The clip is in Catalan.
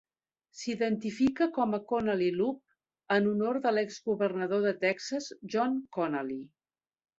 S'identifica com a Connally Loop en honor de l'ex governador de Texas John Connally.